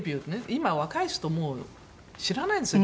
今若い人もう知らないんですよ